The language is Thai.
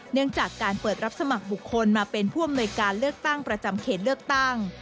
เนื่องจากการเปิดรับสมัครบุคคลมาเป็นผู้อำนวยการเลือกตั้งประจำเขตเลือกตั้ง